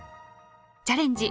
「チャレンジ！